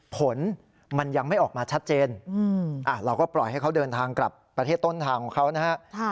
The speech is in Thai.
ผลมันยังไม่ออกมาชัดเจนเราก็ปล่อยให้เขาเดินทางกลับประเทศต้นทางของเขานะฮะ